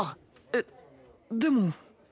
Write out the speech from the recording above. えっでも。